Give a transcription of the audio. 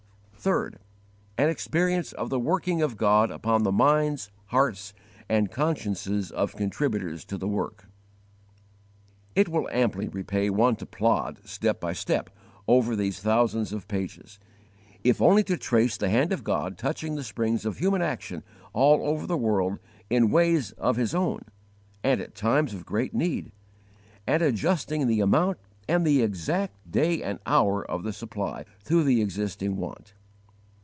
3. An experience of the working of God upon the minds, hearts, and consciences of contributors to the work. It will amply repay one to plod, step by step, over these thousands of pages, if only to trace the hand of God touching the springs of human action all over the world in ways of His own, and at times of great need, and adjusting the amount and the exact day and hour of the supply, to the existing want.